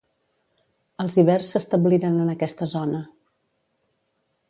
Els ibers s'establiren en aquesta zona.